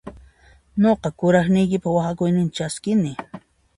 Nuqa kuraqniypaq waqhakuyninta chaskini.